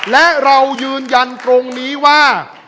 และเรายืนยันตรงนี้ว่า